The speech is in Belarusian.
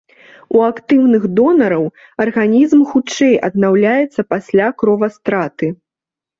У актыўных донараў арганізм хутчэй аднаўляецца пасля кровастраты.